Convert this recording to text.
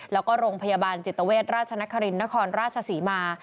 แล้วก็โรงพยาบาลจิตเวชราชนครินนครราชศรีมา